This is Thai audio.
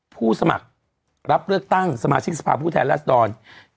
ผู้สมัครรับเลือกตั้งสมาชิกสภาพผู้แทนรัศดร